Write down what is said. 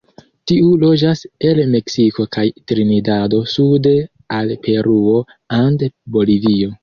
Tiu loĝas el Meksiko kaj Trinidado sude al Peruo and Bolivio.